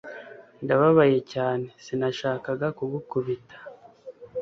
Ndababaye cyane Sinashakaga kugukubita